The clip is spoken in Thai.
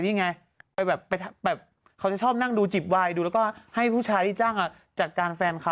เมื่อไม่กี่วันมานี้แสดงว่าไม่เกินอาทิตย์แหละ